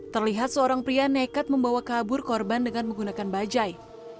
terlihat seorang pria nekat membawa kabur korban dengan menggunakan bajai